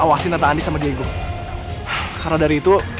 itu artinya kamu sekarang udah tenangan ya